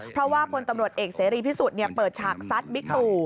เพราะว่าพลตำรวจเอกเสรีพิสุทธิ์เปิดฉากซัดบิ๊กตู่